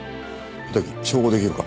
板木照合できるか？